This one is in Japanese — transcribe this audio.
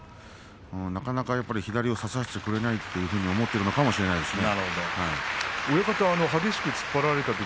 なかなか左を差させてくれないと思っているかもしれませんね。